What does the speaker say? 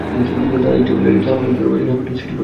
তাঁরা ইচ্ছা করলেই চাল মজুত করে বাজারে সংকট সৃষ্টি করতে পারেন।